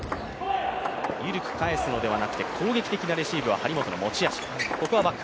緩く返すのではなくて、攻撃的なレシーブが張本の持ち味。